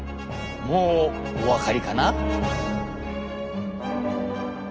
もうお分かりかな？